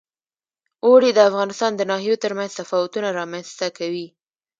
اوړي د افغانستان د ناحیو ترمنځ تفاوتونه رامنځ ته کوي.